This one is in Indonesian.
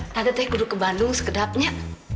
tante teh gue duduk ke bandung segedapnya